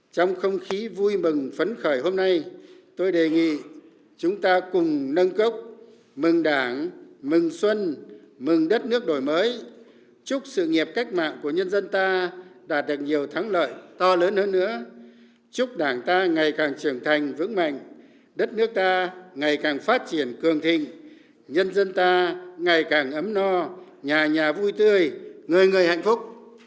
trong không khí vui mừng phấn khởi hôm nay tôi đề nghị chúng ta cùng nâng cốc mừng đảng mừng xuân mừng đất nước đổi mới chúc sự nghiệp cách mạng của nhân dân ta đạt được nhiều thắng lợi to lớn hơn nữa chúc đảng ta ngày càng trưởng thành vững mạnh đất nước ta ngày càng phát triển cường thình nhân dân ta ngày càng ấm no nhà nhà vui tươi người người hạnh phúc